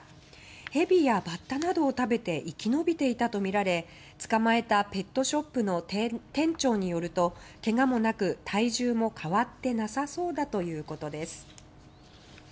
ヘビやバッタなどを食べて生き延びていたとみられ捕まえたペットショップの店長によるとけがもなく体重も変わってなさそうだということです。